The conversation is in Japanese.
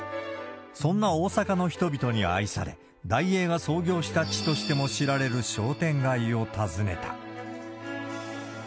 そんな大阪の人々に愛され、ダイエーが創業した地としても知られる商店街を訪ねた。